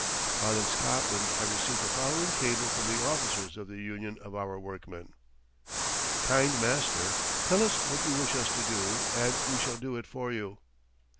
While in Scotland I received the following cable from the officers of the union of our workmen: "Kind master, tell us what you wish us to do and we shall do it for you."